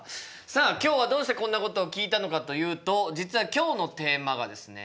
さあ今日はどうしてこんなことを聞いたのかというと実は今日のテーマがですね